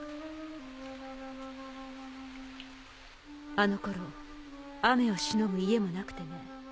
あの頃雨をしのぐ家もなくてね。